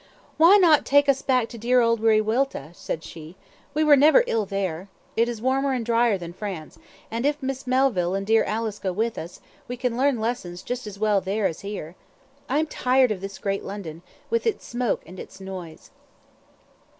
"Why not take up back to dear old Wiriwilta?" said she. "We were never ill there. It is warmer and drier than France; and if Miss Melville and dear Alice go with us, we can learn lessons just as well there as here. I am tired of this great London, with its smoke and its noise."